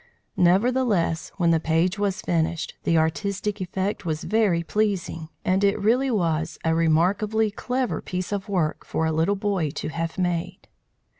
Nevertheless, when the page was finished, the artistic effect was very pleasing, and it really was a remarkably clever piece of work for a little boy to have made.